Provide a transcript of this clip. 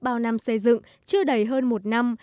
bao năm xây dựng chưa đầy hơn một năm